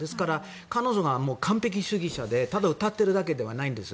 彼女が完璧主義者でただ歌っているだけではないんです。